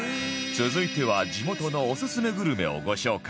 続いては地元のオススメグルメをご紹介